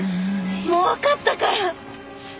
もうわかったから！